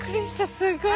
すごい！